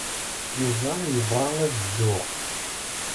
Yuba yebɣa ad dduɣ.